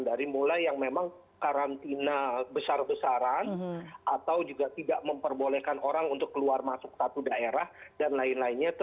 dari mulai yang memang karantina besar besaran atau juga tidak memperbolehkan orang untuk keluar masuk satu daerah dan lain lainnya